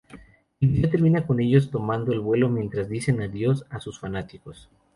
El video termina con ellos tomando el vuelo mientras dicen adiós a sus fanáticos.